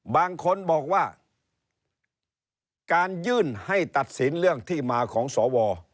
บางคนบอกว่าการยื่นให้ตัดสินเรื่องที่มาของสว